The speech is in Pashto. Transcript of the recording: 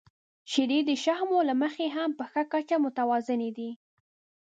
• شیدې د شحمو له مخې هم په ښه کچه متوازنه دي.